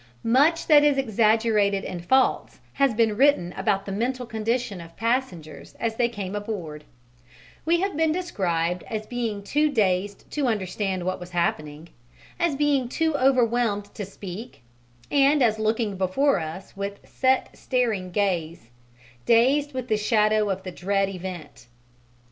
Much that is exaggerated and false has been written about the mental condition of passengers as they came aboard: we have been described as being too dazed to understand what was happening, as being too overwhelmed to speak, and as looking before us with "set, staring gaze," "dazed with the shadow of the dread event."